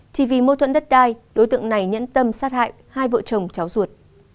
chỉ vì mâu thuẫn đất đai đối tượng này nhẫn tâm sát hại hai vợ chồng cháu ruột